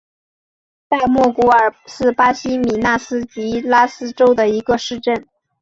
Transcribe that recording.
大莫古尔是巴西米纳斯吉拉斯州的一个市镇。